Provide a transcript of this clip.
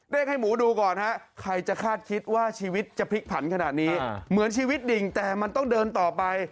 ให้หมูดูก่อนฮะใครจะคาดคิดว่าชีวิตจะพลิกผันขนาดนี้เหมือนชีวิตดิ่งแต่มันต้องเดินต่อไป